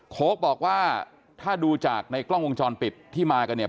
โค้กบอกว่าถ้าดูจากในกล้องวงจรปิดที่มากันเนี่ย